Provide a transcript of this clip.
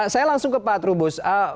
saya langsung ke pak trubus